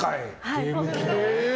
ゲーム機の。